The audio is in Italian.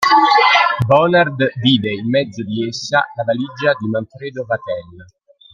Bonard vide in mezzo di essa la valigia di Manfredo Vatel.